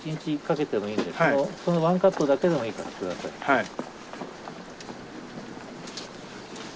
はい。